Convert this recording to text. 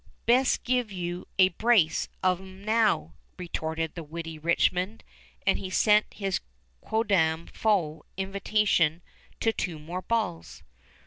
"Best give you a brace of 'em now," retorted the witty Richmond; and he sent his quondam foe invitation to two more balls.